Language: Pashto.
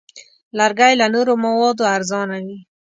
لرګی له نورو موادو ارزانه وي.